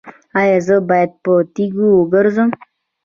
ایا زه باید په تیږو وګرځم؟